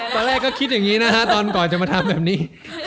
ตอนแรกก็คิดอย่างนี้นะฮะตอนก่อนจะมาทำแบบนี้